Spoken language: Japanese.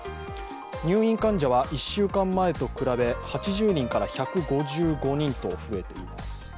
入院患者は１週間前と比べ８０人から１５５人と増えています。